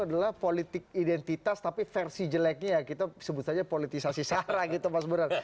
adalah politik identitas tapi versi jeleknya kita sebut saja politisasi sara gitu mas burhan